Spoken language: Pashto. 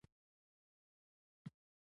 د شاته پاتې خلکو سره د همدردۍ سره مخ شئ.